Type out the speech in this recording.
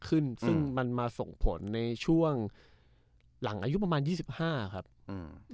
ขึ้นซึ่งมันมาส่งผลในช่วงหลังอายุประมาณยี่สิบห้าครับอืม